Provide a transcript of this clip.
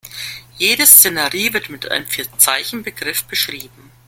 Jede Szenerie wird mit einem Vier-Zeichen-Begriff beschrieben.